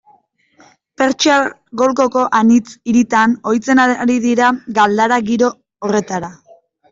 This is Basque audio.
Pertsiar Golkoko anitz hiritan ohitzen ari dira galdara giro horretara.